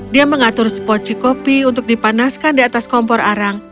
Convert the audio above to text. dia mengatur sepoci kopi untuk dipanaskan di atas kompor arang